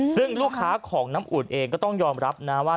ซึ่งลูกค้าของน้ำอุ่นเองก็ต้องยอมรับนะว่า